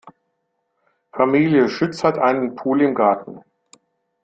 Familie Schütz hat einen Pool im Garten.